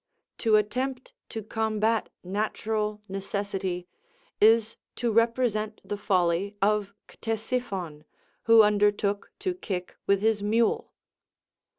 To attempt to combat natural necessity, is to represent the folly of Ctesiphon, who undertook to kick with his mule.